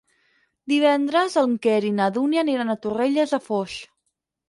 Divendres en Quer i na Dúnia aniran a Torrelles de Foix.